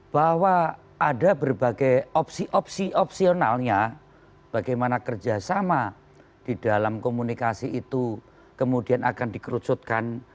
bahwa ada berbagai opsi opsi opsionalnya bagaimana kerjasama di dalam komunikasi itu kemudian akan dikerucutkan